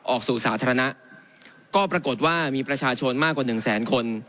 ออกสู่สาธารณะก็ปรากฏว่ามีประชาชนมากกว่าหนึ่งแสนคน